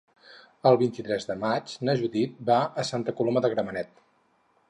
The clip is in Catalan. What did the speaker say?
El vint-i-tres de maig na Judit va a Santa Coloma de Gramenet.